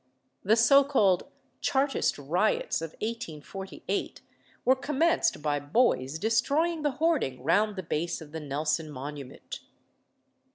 The so called Chartist riots of 1848 were commenced by boys destroying the hoarding round the base of the Nelson monument.